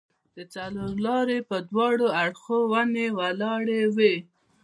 د څلورلارې پر دواړو اړخو ونې ولاړې وې.